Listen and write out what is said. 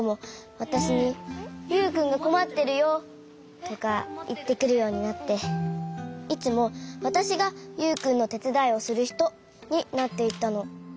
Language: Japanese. わたしに「ユウくんがこまってるよ」とかいってくるようになっていつもわたしがユウくんのてつだいをするひとになっていったの。